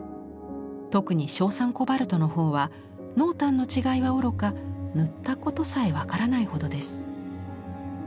特に硝酸コバルトのほうは濃淡の違いはおろか塗ったことさえ分からないほどです。